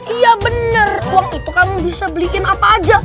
iya bener uang itu kamu bisa belikan apa aja